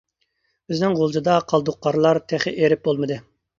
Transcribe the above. بىزنىڭ غۇلجىدا قالدۇق قارلار تېخى ئېرىپ بولمىدى.